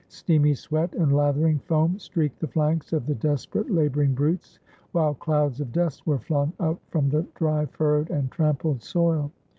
Steamy sweat and lathering foam streaked the flanks of the desperate, laboring brutes, while clouds of dust were flung up from the dry, furrowed, and trampled soil.